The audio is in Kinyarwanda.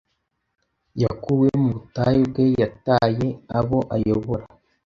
Yakuwe mu butayu bwe yataye abo ayobora